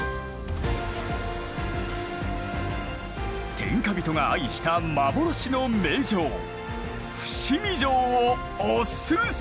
天下人が愛した幻の名城伏見城をおすすめ！